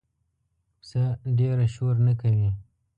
پسه ډېره شور نه کوي.